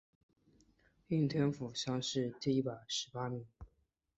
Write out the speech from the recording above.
应天府乡试第一百十八名。